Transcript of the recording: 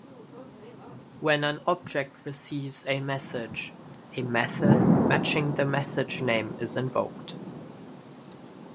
When an object receives a message, a method matching the message name is invoked.